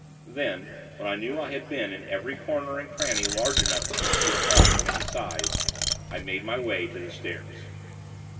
Then, when I knew I had been in every corner and cranny large enough to conceal aught of any size, I made my way to the stairs.